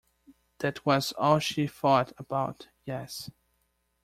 That was all she thought about, yes.